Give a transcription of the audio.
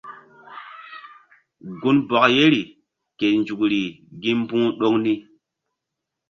Gunbɔk yeri ke nzukri gi mbu̧h ɗoŋ ni.